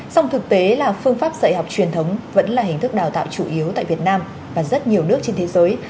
song thực tế là phương pháp dạy học truyền thống vẫn là hình thức đào tạo chủ yếu tại việt nam và rất nhiều nước trên thế giới